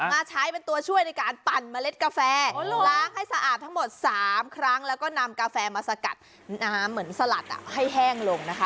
มาใช้เป็นตัวช่วยในการปั่นเมล็ดกาแฟล้างให้สะอาดทั้งหมด๓ครั้งแล้วก็นำกาแฟมาสกัดเหมือนสลัดให้แห้งลงนะคะ